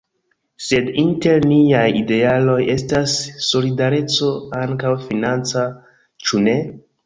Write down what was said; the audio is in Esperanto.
Sed inter niaj idealoj estas solidareco, ankaŭ financa, ĉu ne?